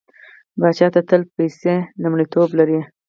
پاچا ته تل پيسه لومړيتوب لري.